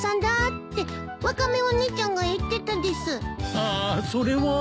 ああそれは。